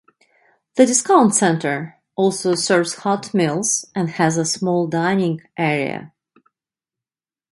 The Discount Center also serves hot meals and has a small dining area.